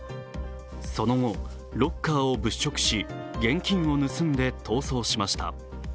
その後、ロッカーを物色し現金を盗んで逃走しました。